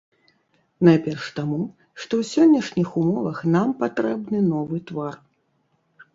Найперш таму, што ў сённяшніх умовах нам патрэбны новы твар.